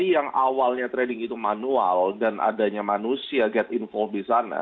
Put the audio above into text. yang awalnya trading itu manual dan adanya manusia get info di sana